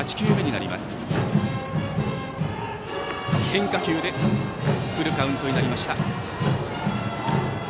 変化球でフルカウントになりました。